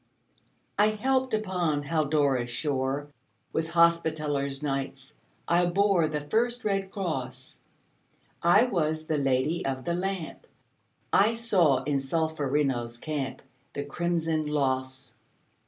I helped upon Haldora's shore; With Hospitaller Knights I bore The first red cross; I was the Lady of the Lamp; I saw in Solferino's camp The crimson loss.